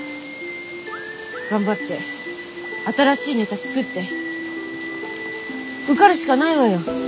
頑張って新しいネタ作って受かるしかないわよ